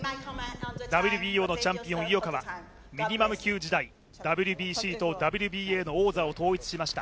ＷＢＯのチャンピオン・井岡はミニマム級時代ＷＢＣとＷＢＡの王座を統一しました。